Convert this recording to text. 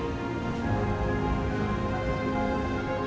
mau bahas apa lagi